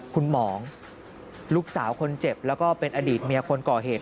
คุณหมองลูกสาวคนเจ็บแล้วก็เป็นอดีตเมียคนก่อเหตุ